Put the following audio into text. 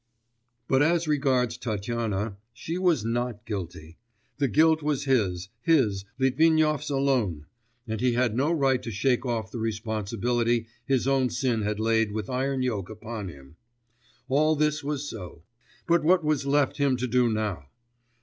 But as regards Tatyana, she was not guilty; the guilt was his, his, Litvinov's alone, and he had no right to shake off the responsibility his own sin had laid with iron yoke upon him.... All this was so; but what was left him to do now?